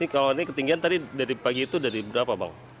kalau ini ketinggian tadi dari pagi itu dari berapa bang